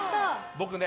僕ね